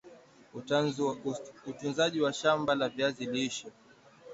utunzaji wa shamba la viazi lishe